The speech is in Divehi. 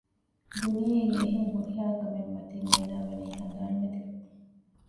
ދުނިޔޭގެ އެހެން ހުރިހާކަމެއް މަތިން އޭނާ ވަނީ ހަނދާން ނެތިފަ